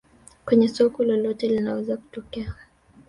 Kwenye soka lolote linaweza kutokea